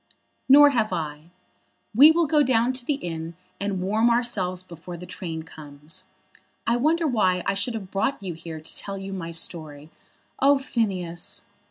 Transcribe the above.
"Nor have I. We will go down to the inn and warm ourselves before the train comes. I wonder why I should have brought you here to tell you my story. Oh, Phineas."